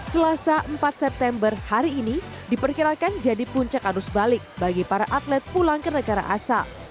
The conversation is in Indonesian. selasa empat september hari ini diperkirakan jadi puncak arus balik bagi para atlet pulang ke negara asal